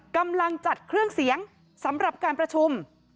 กำลังจัดเครื่องเสียงสำหรับการประชุม